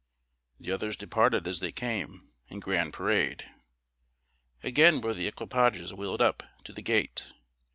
The others departed as they came, in grand parade. Again were the equipages wheeled up to the gate.